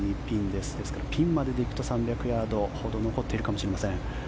ですからピンまででいくと３００ヤードほど残っているかもしれません。